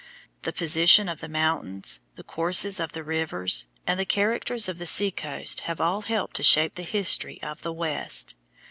The position of the mountains, the courses of the rivers, and the character of the sea coast have all helped to shape the history of the West.